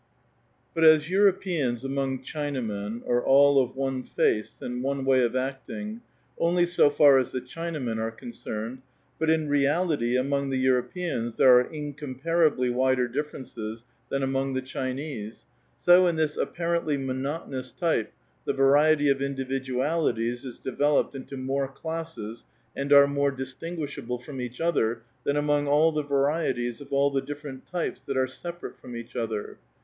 But as Europeans among Chinamen are all of one face and one way of acting, only so far as the Chinamen are con cerned, but in reality, among the Europeans there are incomparably wider differences than among the Chinese ; so in this apparently monotonous type, tlie variety of individu alities is developed into more classes and are more distin guishable from each other than among all the varieties of all the different types that are separate from each other.